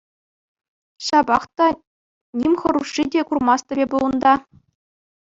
Ҫапах та ним хӑрушши те курмастӑм эпӗ унта.